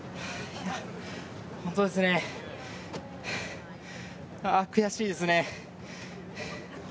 ホントですね、あ悔しいですね。